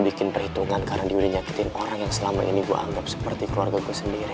bikin perhitungan karena dia udah nyakitin orang yang selama ini gue anggap seperti keluargaku sendiri